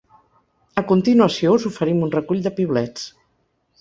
A continuació us oferim un recull de piulets.